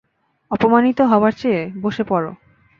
অপমানিত হবার চেয়ে, বসে পড়ো।